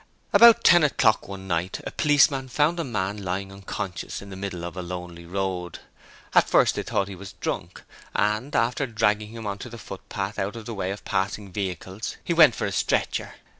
About ten o'clock one night a policeman found a man lying unconscious in the middle of a lonely road. At first he thought the man was drunk, and after dragging him on to the footpath out of the way of passing vehicles he went for the stretcher.